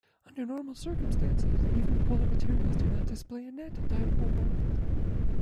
Under normal circumstances, even polar materials do not display a net dipole moment.